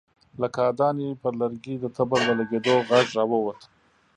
له کاهدانې پر لرګي د تبر د لګېدو غږ را ووت.